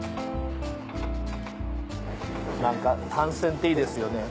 何か単線っていいですよね。